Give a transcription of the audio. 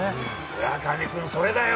村上さん、それだよ。